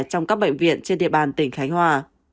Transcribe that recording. các bệnh viện trên địa bàn tỉnh khánh hòa